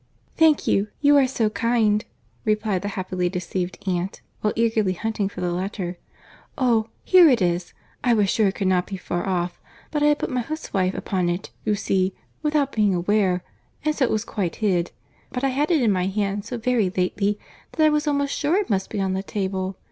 "Thank you. You are so kind!" replied the happily deceived aunt, while eagerly hunting for the letter.—"Oh! here it is. I was sure it could not be far off; but I had put my huswife upon it, you see, without being aware, and so it was quite hid, but I had it in my hand so very lately that I was almost sure it must be on the table.